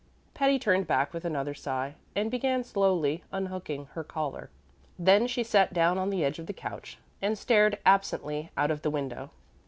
Patty turned back with another sigh, and began slowly unhooking her collar. Then she sat down on the edge of the couch and stared absently out of the window.